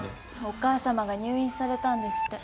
お母さまが入院されたんですって。